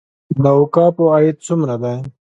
د اوقافو عاید څومره دی؟